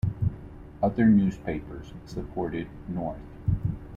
Other newspapers supported North.